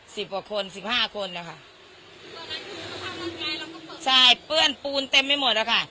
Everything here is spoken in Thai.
สิบหกคนสิบห้าคนแล้วค่ะใช่เปื้อนปูนเต็มไม่หมดแล้วค่ะ